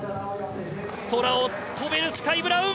空を飛べるスカイ・ブラウン！